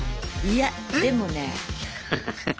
いやでもねえ。